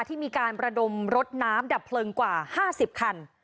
ที่มีการระดมรถน้ำดับเพลิงกว่า๕๐คัน